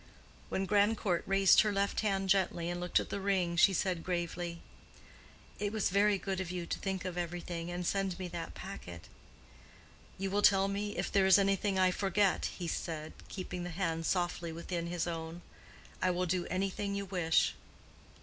When Grandcourt raised her left hand gently and looked at the ring, she said gravely, "It was very good of you to think of everything and send me that packet." "You will tell me if there is anything I forget?" he said, keeping the hand softly within his own. "I will do anything you wish."